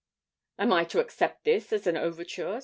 'Am I to accept this as an overture?'